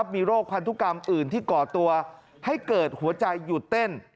มีโรคพันธุกรรมอื่นที่ก่อตัวให้เกิดหัวใจหยุดเต้น